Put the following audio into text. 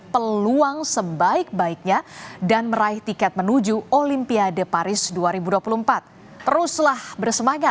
saya ingin berterima kasih kepada semua orang di indonesia yang telah menonton